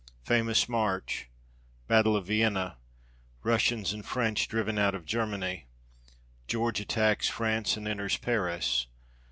Famous march. Battle of Vienna. Russians and French driven out of Germany. George attacks France, and enters Paris.